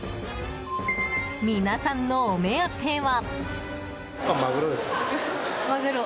皆さんの、お目当ては。